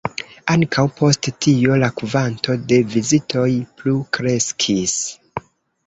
Ankaŭ post tio la kvanto de vizitoj plu kreskis.